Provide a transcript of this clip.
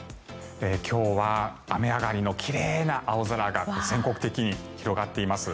今日は雨上がりの奇麗な青空が全国的に広がっています。